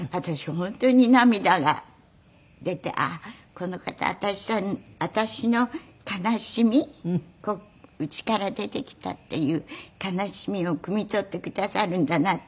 この方私の悲しみ家から出てきたっていう悲しみをくみ取ってくださるんだなって